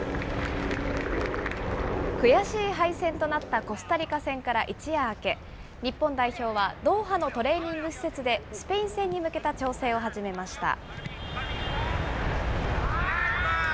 悔しい敗戦となったコスタリカ戦から一夜明け、日本代表は、ドーハのトレーニング施設でスペイン戦に向けた調整を始めました。